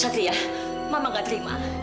satria mama gak terima